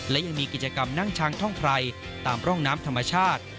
และยังมีกิจกรรมนั่งช้างท่องไพรตามร่องน้ำธรรมชาติ